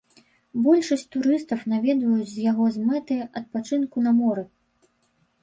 Большасць турыстаў наведваюць з яго з мэтай адпачынку на моры.